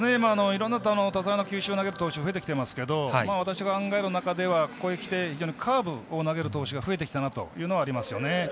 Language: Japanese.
多彩な球種を投げる投手増えてきていますけど私が考える中では、ここへきてカーブを投げる投手が増えてきたというのはありますよね。